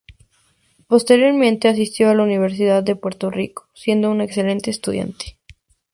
Posteriormente asistió a la Universidad de Puerto Rico, siendo una excelente estudiante.